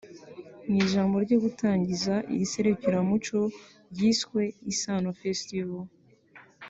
Mu ijambo ryo gutangiza iri serukiramuco ryiswe Isaano Festival